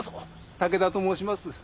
竹多と申します。